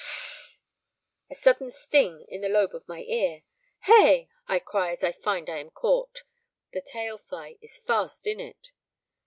S s s s! a sudden sting in the lobe of my ear. Hey! I cry as I find I am caught; the tail fly is fast in it.